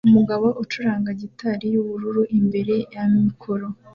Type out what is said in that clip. Umugabo acuranga gitari yubururu imbere ya mikoro